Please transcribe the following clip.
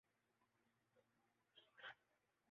جو اللہ تعالیٰ کی طرف سے کارِ دعوت کے تحفظ کے لیے کیا جاتا ہے